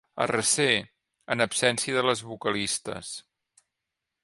A recer, en absència de les vocalistes.